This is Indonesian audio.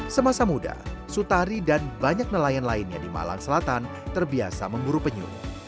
semasa muda sutari dan banyak nelayan lainnya di malang selatan terbiasa memburu penyu